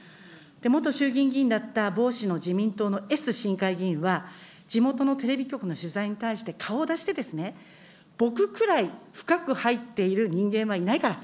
元衆議院議員だった某氏の自民党のＳ市議会議員は、地元のテレビ局の取材に対して、顔を出して、僕くらい深く入っている人間はいないから、